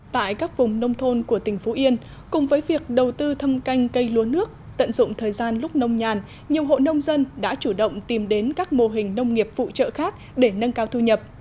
tại các vùng nông thôn của tỉnh phú yên cùng với việc đầu tư thâm canh cây lúa nước tận dụng thời gian lúc nông nhàn nhiều hộ nông dân đã chủ động tìm đến các mô hình nông nghiệp phụ trợ khác để nâng cao thu nhập